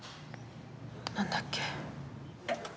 何だっけ？